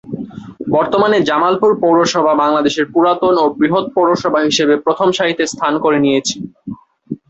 বর্তমানে জামালপুর পৌরসভা বাংলাদেশের পুরাতন ও বৃহৎ পৌরসভা হিসেবে প্রথম সারিতে স্থান করে নিয়েছে।